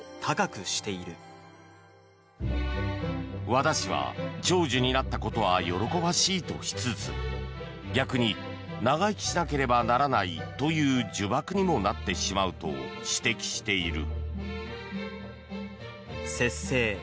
和田氏は、長寿になったことは喜ばしいとしつつ逆に長生きしなければならないという呪縛にもなってしまうと指摘している。